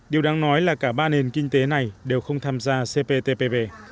điều đáng nói là cả ba nền kinh tế này đều không tham gia cptpp